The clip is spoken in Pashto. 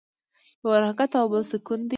یو حرکت او بل سکون دی.